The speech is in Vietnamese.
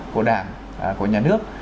của đảng của nhà nước